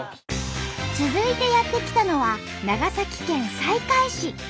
続いてやって来たのは長崎県西海市。